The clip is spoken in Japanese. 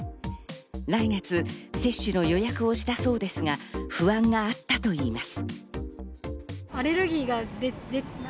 来月、接種の予約をしたそうですが、不安があったといいます。